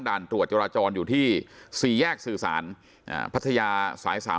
ด่านตรวจจราจรอยู่ที่๔แยกสื่อสารพัทยาสาย๓๐